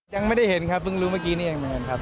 ยังไม่ได้เห็นครับเพิ่งรู้เมื่อกี้นี่เองเหมือนกันครับ